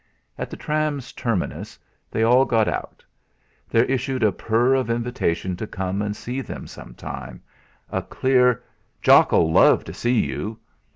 At the tram's terminus they all got out. There issued a purr of invitation to come and see them some time; a clear: "Jock'll love to see you!"